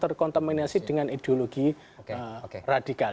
terkontaminasi dengan ideologi radikal